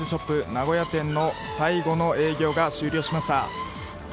名古屋店の最後の営業が終了しました。